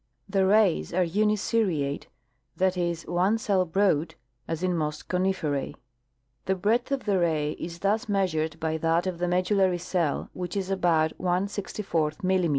The rays are uniseriate — that is, one cell broad, as in most coniferse. The breadth of the ray is thus measured by that of the medullary cell, which is about g ^ mm.